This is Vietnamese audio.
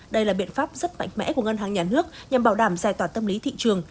đây là biện pháp rất mạnh mẽ của ngân hàng nhà nước nhằm bảo đảm giải tỏa tâm lý thị trường